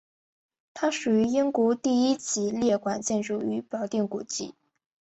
它属于英国第一级列管建筑与表定古迹。